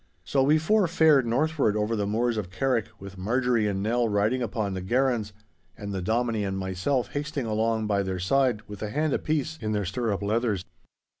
So we four fared northward over the moors of Carrick, with Marjorie and Nell riding upon the garrons, and the Dominie and myself hasting along by their side with a hand apiece in their stirrup leathers.